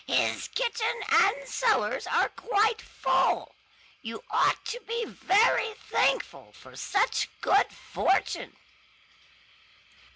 His kitchen and cellars are quite full. You ought to be very thankful for such good fortune."